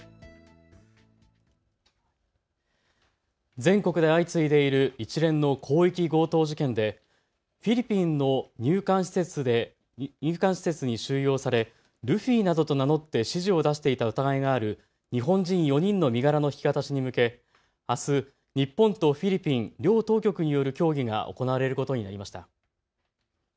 全国で相次いでいる一連の広域強盗事件でフィリピンの入管施設に収容されルフィなどと名乗って指示を出していた疑いがある日本人４人の身柄の引き渡しに向け、あす日本とフィリピン両当局による協議が行われることになりました。